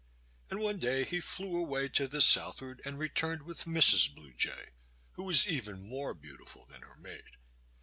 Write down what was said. And one day he flew away to the southward and returned with Mrs. Blue Jay, who was even more beautiful than her mate.